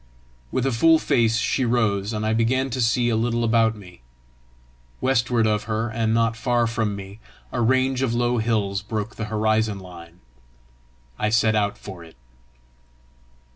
With a full face she rose, and I began to see a little about me. Westward of her, and not far from me, a range of low hills broke the horizon line: I set out for it.